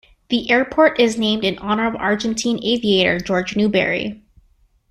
The airport is named in honor of Argentine aviator Jorge Newbery.